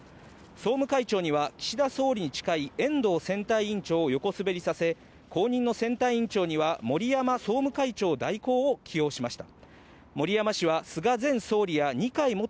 総務会長には岸田総理に近い遠藤選対委員長を横滑りさせ、後任の選対委員長には森山総務会長代行を起用しました。